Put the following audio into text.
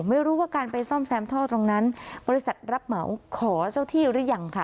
ไม่รู้ว่าการไปซ่อมแซมท่อตรงนั้นบริษัทรับเหมาขอเจ้าที่หรือยังค่ะ